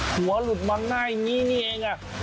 หัวหลุดมันง่ายนี้เอง